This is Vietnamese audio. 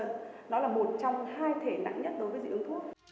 nó là một trong hai thể nặng nhất đối với dị ứng thuốc